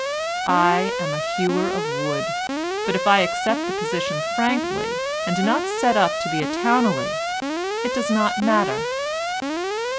I am a hewer of wood, but if I accept the position frankly and do not set up to be a Towneley, it does not matter."